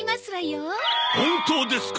本当ですか？